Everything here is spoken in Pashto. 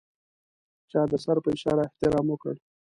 چا د سر په اشاره احترام وکړ.